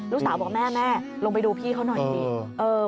ลูกสาวบอกว่าแม่ลงไปดูพี่เขาน่ะอย่างนี้